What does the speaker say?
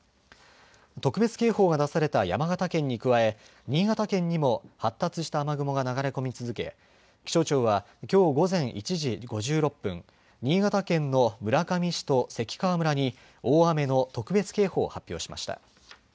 特別警報が出された山形県に加え新潟県にも発達した雨雲が流れ込み続け気象庁は、きょう午前１時５６分新潟県の村上市と関川村に大雨の特別警報を発表しました。